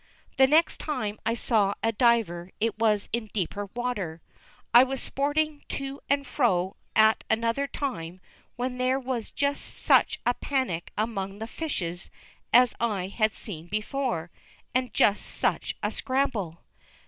The next time I saw a diver it was in deeper water. I was sporting to and fro at another time when there was just such a panic among the fishes as I had seen before, and just such a scramble.